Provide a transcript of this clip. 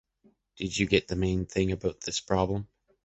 Did you get the main thing about this problem?